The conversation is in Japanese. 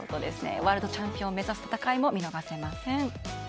ワールドチャンピオンを目指す戦いも見逃せません。